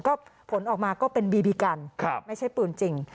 ก็ผลออกมาก็เป็นบีบีกันไม่ใช่ปืนจริง